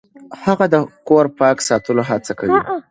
هغه د کور پاک ساتلو هڅه کوي.